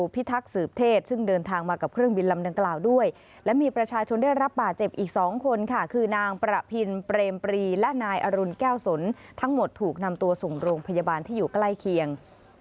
พิลเปรมปรีและนายอรุณแก้วสนทั้งหมดถูกนำตัวส่งโรงพยาบาลที่อยู่ใกล้เคียง